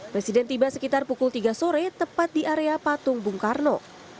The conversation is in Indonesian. presiden tiba sekitar pukul tiga sore tepat di area patung bung karno